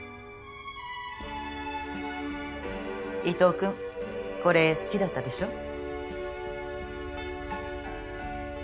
伊藤君これ好きだったでしょ。